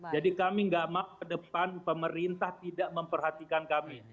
jadi kami gak mau ke depan pemerintah tidak memperhatikan kami